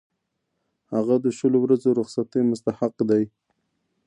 هغه د شلو ورځو رخصتۍ مستحق دی.